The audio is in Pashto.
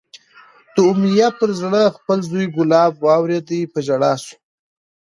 د امیة پر زړه خپل زوی کلاب واورېدی، په ژړا شو